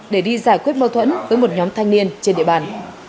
để đi giải quyết mâu thuẫn với một nhóm thanh niên trên địa bàn